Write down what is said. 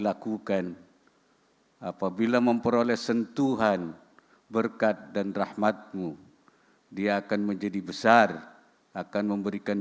lakukan apabila memperoleh sentuhan berkat dan rahmatmu dia akan menjadi besar akan memberikan